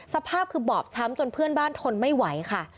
สภาพคือบอบช้ำจนเพื่อนบ้านทนไม่ไหวค่ะ